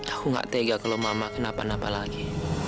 aku gak tega kalau mama kenapa napa lagi